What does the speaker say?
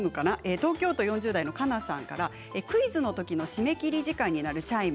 東京都４０代の方からクイズのときの締め切り時間に鳴るチャイム